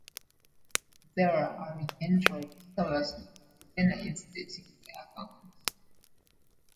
There, Alejandro discovers that Elena is dating the count.